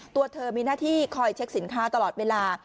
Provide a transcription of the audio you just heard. ตัวเธอมีหน้าที่คอยเช็คสินค้าตลอดเวลา